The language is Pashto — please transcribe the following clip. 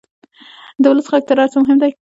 د ولس غږ تر هر څه مهم دی.